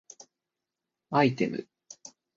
アイテム